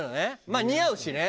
まあ似合うしね。